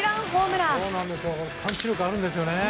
パンチ力あるんですよね。